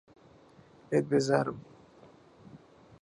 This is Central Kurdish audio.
لێت بێزارم.